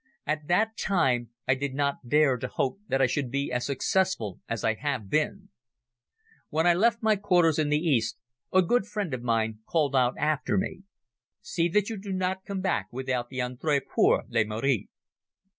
At that time I did not dare to hope that I should be as successful as I have been. When I left my quarters in the East a good friend of mine called out after me: "See that you do not come back without the Ordre pour le Mérite."